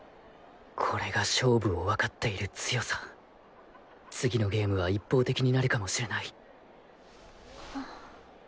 これが勝負をわかっている強さ次のゲームは一方的になるかもしれないあ。